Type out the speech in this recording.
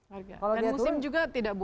musim juga tidak